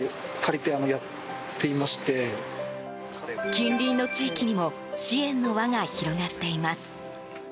近隣の地域にも支援の輪が広がっています。